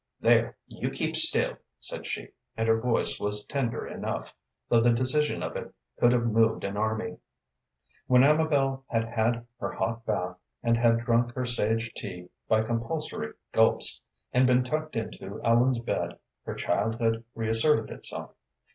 "There, you keep still!" said she, and her voice was tender enough, though the decision of it could have moved an army. When Amabel had had her hot bath, and had drunk her sage tea by compulsory gulps, and been tucked into Ellen's bed, her childhood reasserted itself.